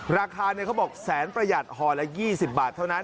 ราคาเขาบอกแสนประหยัดห่อละ๒๐บาทเท่านั้น